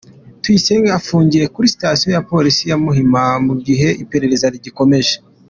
Tuyisenge afungiye kuri sitasiyo ya polisi ya Muhima mu gihe iperereza rigikomeje.